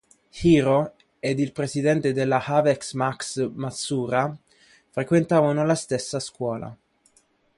Hiro ed il presidente della Avex Max Matsuura frequentavano la stessa scuola.